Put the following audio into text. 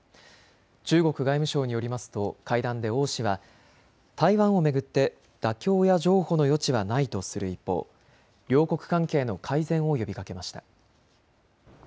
中国外務省によりますと会談で王氏は台湾を巡って妥協や譲歩の余地はないとする一方、両国関係の改善を呼びかけました。